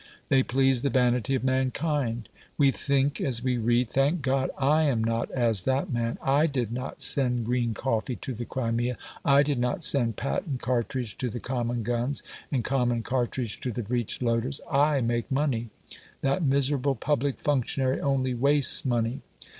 They please the vanity of mankind. We think as we read, "Thank God, I am not as that man; I did not send green coffee to the Crimea; I did not send patent cartridge to the common guns, and common cartridge to the breech loaders. I make money; that miserable public functionary only wastes money".